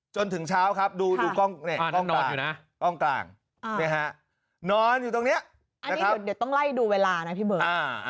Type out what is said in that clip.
จนถึงเช้าครับดูกล้องกลางนี่ฮะนอนอยู่ตรงนี้นะครับอันนี้เดี๋ยวต้องไล่ดูเวลานะพี่เบิร์ด